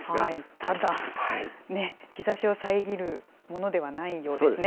ただね、日ざしを遮るものではないようですね。